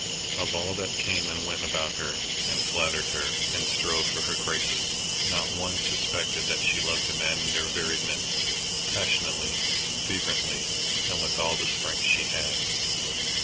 Of all that came and went about her, and flattered her, and strove for her graces, not one suspected that she loved a man in their very midst, passionately, fervently, with all the strength she had.